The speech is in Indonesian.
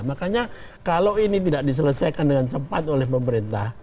makanya kalau ini tidak diselesaikan dengan cepat oleh pemerintah